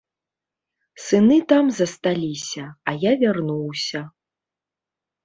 Сыны там засталіся, а я вярнуўся.